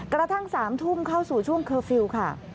กระทั่ง๓ทุ่มเข้าสู่ช่วงเคอร์ฟิลล์ค่ะ